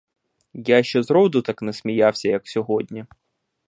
Я ще зроду так не сміявся, як сьогодні.